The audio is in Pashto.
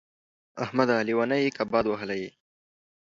احمده! لېونی يې که باد وهلی يې.